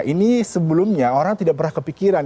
ini sebelumnya orang tidak pernah kepikiran